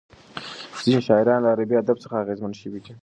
ځینې شاعران له عربي ادب څخه اغېزمن شوي دي.